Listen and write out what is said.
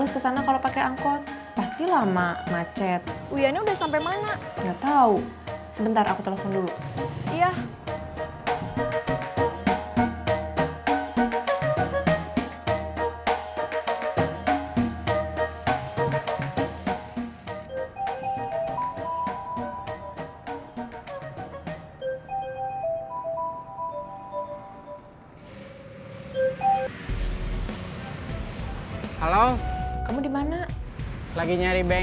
sampai jumpa di video selanjutnya